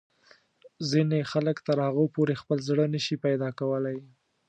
ځینې خلک تر هغو پورې خپل زړه نه شي پیدا کولای.